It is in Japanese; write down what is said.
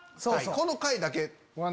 この回だけ。